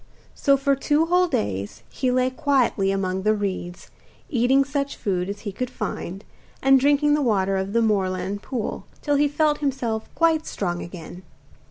So for two whole days he lay quietly among the reeds, eating such food as he could find, and drinking the water of the moorland pool, till he felt himself quite strong again.